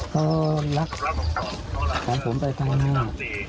ก็รับของผมไปข้างหน้า